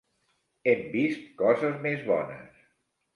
Hem vist coses més bones!